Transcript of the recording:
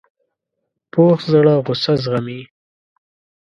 پوخ زړه غصه زغمي